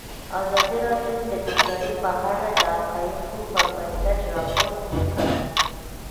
ازادي راډیو د بیکاري په اړه د حقایقو پر بنسټ راپور خپور کړی.